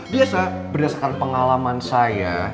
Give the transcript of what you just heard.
biasa berdasarkan pengalaman saya